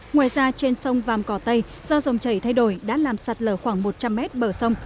ngoài ra trên sông vàm cỏ tây do dòng chảy thay đổi đã làm sạt lở khoảng một trăm linh mét bờ sông